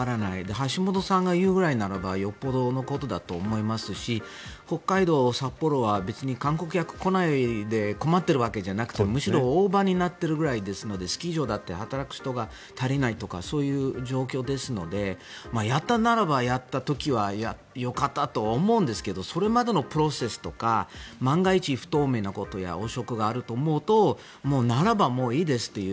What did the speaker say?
橋本さんが言うぐらいならばよっぽどのことだと思いますし北海道、札幌は別に観光客が来ないで困っているわけじゃなくてむしろ大場になっているわけですのでスキー場だって働く人が足りないとかそういう状況ですのでやったならばやった時はよかったと思うんですけどそれまでのプロセスとか万が一、不透明なことや汚職があると思うとならばもういいですという。